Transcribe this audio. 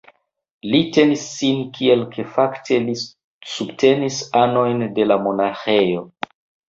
Li tenis sin tiel ke fakte lin subtenis anoj de la monaĥejo.